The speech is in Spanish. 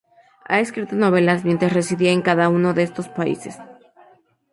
Ha escrito novelas mientras residía en cada uno de estos países.